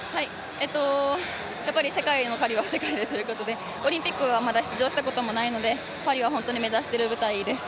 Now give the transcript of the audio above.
世界の借りは世界でということでオリンピックはまだ出場したことがないのでパリは本当に目指してる舞台です。